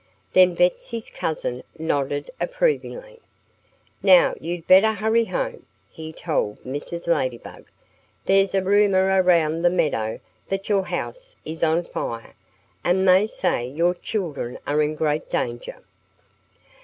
Then Betsy's cousin nodded approvingly. "Now you'd better hurry home," he told Mrs. Ladybug. "There's a rumor around the meadow that your house is on fire. And they say your children are in great danger."